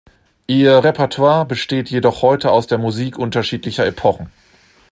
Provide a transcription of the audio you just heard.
Ihr Repertoire besteht jedoch heute aus der Musik unterschiedlicher Epochen.